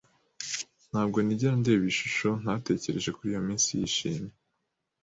Ntabwo nigera ndeba iyi shusho ntatekereje kuri iyo minsi yishimye.